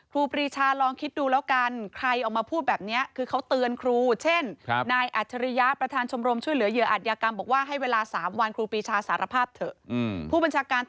ครูปรีชาลองคิดดูแล้วกันใครออกมาพูดแบบเนี่ยคือเขาเตือนครู